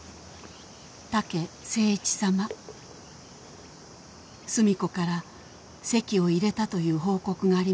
「武誠一様」「寿美子から籍を入れたという報告がありました」